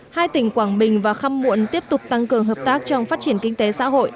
hai tỉnh quảng bình và khăm muộn tiếp tục tăng cường hợp tác trong phát triển kinh tế xã hội